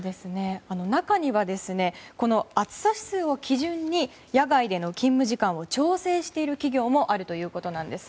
中には、暑さ指数を基準に野外での勤務時間を調整している企業もあるということです。